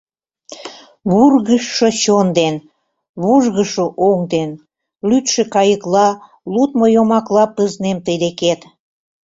Вургыжшо чон ден, вужгышо оҥ ден, лӱдшӧ кайыкла, лудмо йомакла пызнем тый декет.